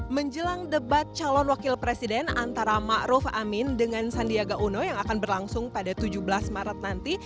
menjelang debat calon wakil presiden antara ⁇ maruf ⁇ amin dengan sandiaga uno yang akan berlangsung pada tujuh belas maret nanti